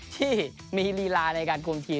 ที่มีลีลาในการคุมทีม